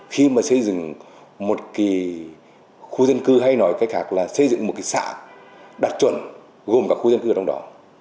khi mà xây dựng một khu dân cư hay nói cách khác là xây dựng một sạ đặc chuẩn gồm các khu dân cư ở trong đó